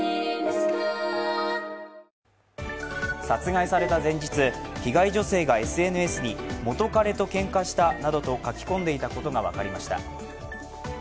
殺害された前日、被害女性がＳＮＳに元彼とけんかしたなどと書き込んでいたことが分かりました。